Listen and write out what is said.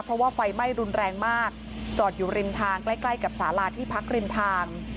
เพราะว่าไฟไหม้รุนแรงมากจอดอยู่ริมทางใกล้ใกล้กับสาราที่พักริมทาง